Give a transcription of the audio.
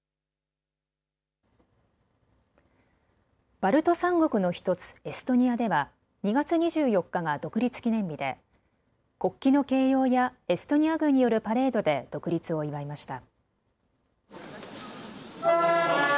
バルト三国の１つ、エストニアでは２月２４日が独立記念日で国旗の掲揚やエストニア軍によるパレードで独立を祝いました。